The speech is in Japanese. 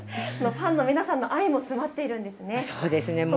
ファンの皆さんの愛も詰まっているんですね。